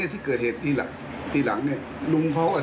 น่าจะไปหาหมอใช่ไหม